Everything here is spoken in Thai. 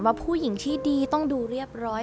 ว่าผู้หญิงที่ดีต้องดูเรียบร้อย